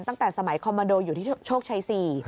ตั้งแต่สมัยคอมมาโดอยู่ที่โชคชัย๔